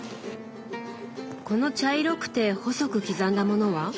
この茶色くて細く刻んだものは？